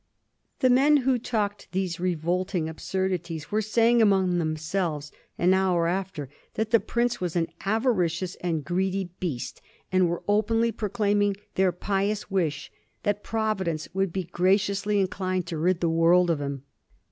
The men who talked these revolting absurdities were saying among themselves an hour after that the prince was an avaricious and greedy beast, and were openly pro claiming their pious wish that Providence would be gra ciously inclined to rid the world of him.